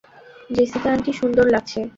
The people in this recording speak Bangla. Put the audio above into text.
জেসিকা আন্টি, সুন্দর লাগছে।